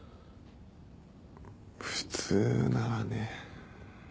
普通ならね。